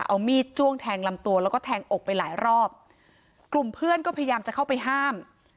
เอามีดจ้วงแทงลำตัวแล้วก็แทงอกไปหลายรอบกลุ่มเพื่อนก็พยายามจะเข้าไปห้าม